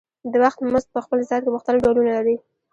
د وخت مزد په خپل ذات کې مختلف ډولونه لري